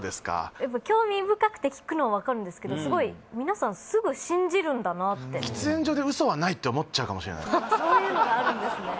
やっぱ興味深くて聞くのは分かるんですけどすごい皆さんすぐ信じるんだなって思っちゃうかもしれないそういうのがあるんですね